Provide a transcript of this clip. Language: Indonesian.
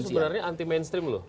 sebenarnya anti mainstream loh